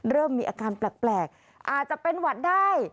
เริ่มมีอาการแปลกอาจจะเป็นหวัดได้